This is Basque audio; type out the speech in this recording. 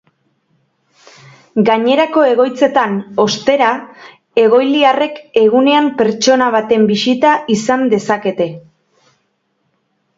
Gainerako egoitzetan, ostera, egoiliarrek egunean pertsona baten bisita izan dezakete.